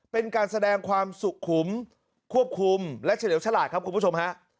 เป็นการแสดงความสุขุมควบคุมและเฉลี่ยวฉลาดครับคุณผู้ชมฮะ